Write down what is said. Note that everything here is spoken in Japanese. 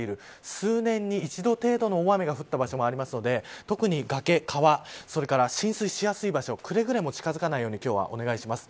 数年に一度程度の大雨が降った場所もあるので特に崖、川浸水しやすい場所、くれぐれも近づかないように今日はお願いします。